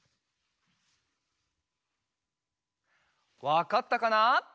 わかったかな？